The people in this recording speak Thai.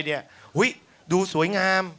หุ้ยดูสวยงาม